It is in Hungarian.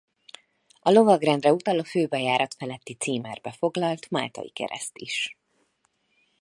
A lovagrendre utal a főbejárat feletti címerbe foglalt máltai kereszt is.